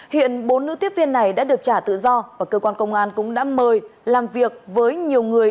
hiện bốn nữ tiếp viên này đã được trả tự do và cơ quan công an cũng đã mời làm việc với nhiều người